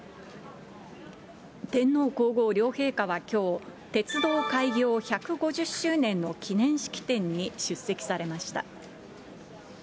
天皇皇后両陛下はきょう、鉄道開業１５０周年の記念式典に出席されました。